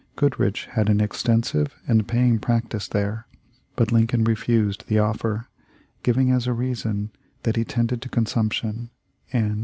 Goodrich had an extensive and paying practice there, but Lincoln refused the offer, giving as a reason that he tended to consumption, and.